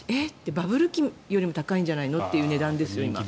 バブル期よりも高いんじゃないの？という値段ですよ。